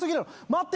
待って。